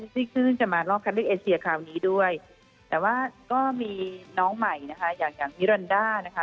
ที่เพิ่งจะมารอบคัดเลือกเอเชียคราวนี้ด้วยแต่ว่าก็มีน้องใหม่นะคะอย่างอย่างมิรันดานะคะ